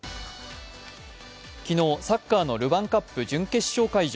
昨日、サッカーのルヴァンカップ準決勝会場。